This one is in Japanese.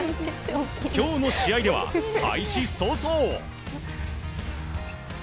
今日の試合では、開始早々。